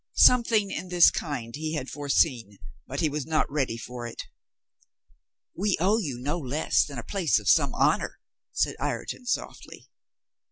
Something in this kind he had foreseen, but he was not ready for it. "We owe you no less than a place of some honor," said Ireton softly.